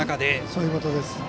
そういうことです。